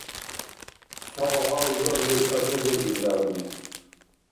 Ца кьакьа-ургабли кафе бургидра хӀуни.